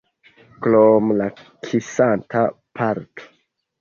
Krom la kisanta parto.